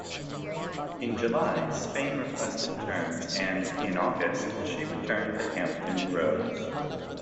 In July, Spain requested terms; and, in August, she returned to Hampton Roads.